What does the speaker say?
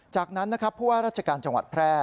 จากนั้นนะครับผู้ว่าราชการจังหวัดแพร่